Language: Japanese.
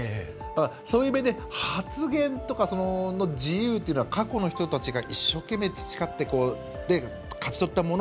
そういう意味で発言の自由というのは過去の人たちが一生懸命、培って勝ち取ったもの。